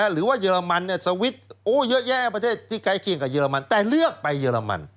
หรือว่าเยอรมันสวิตช์เยอะแยะประเทศที่ใกล้เคียงกับเรมันแต่เลือกไปเยอรมัน